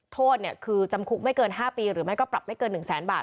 โทษคือจำคุกไม่เกิน๕ปีหรือไม่ก็ปรับไม่เกิน๑แสนบาท